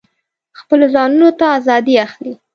خپلو ځانونو ته آزادي اخلي.